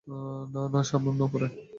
না না সামান্য উপরে।